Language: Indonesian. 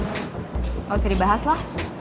harus dibahas lah